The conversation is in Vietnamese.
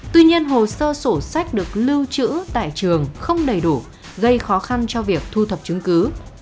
tuy nhiên hồ sơ sổ sách được lưu trữ tại trường không đầy đủ gây khó khăn cho việc thu thập chứng cứ